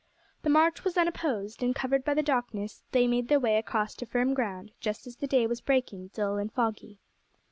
The march was unopposed, and covered by the darkness they made their way across to firm ground just as the day was breaking dull and foggy.